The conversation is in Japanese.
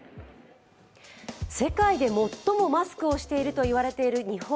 世界で最もマスクをしていると言われている日本。